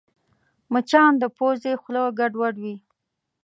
مچان د پوزې خوله ګډوډوي